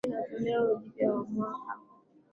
na mbili na toleo la katiba mpya la mwaka